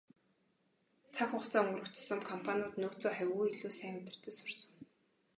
Цаг хугацаа өнгөрөх тусам компаниуд нөөцөө хавьгүй илүү сайн удирдаж сурсан.